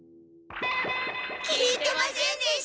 聞いてませんでした。